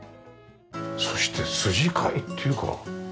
そして筋交いっていうか。